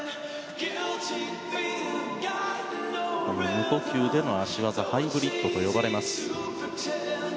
無呼吸での脚技はハイブリッドと呼ばれます。